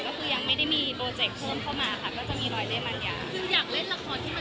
ก็คือยังไม่ได้มีโปรเจคต์เข้ามาค่ะก็จะมีรอยได้บรรยา